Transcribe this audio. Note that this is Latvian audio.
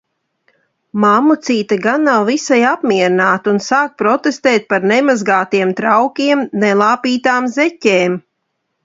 Mammucīte gan nav visai apmierināta, un sāk protestēt par nemazgātiem traukiem, nelāpītām zeķēm.